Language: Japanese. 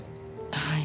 はい。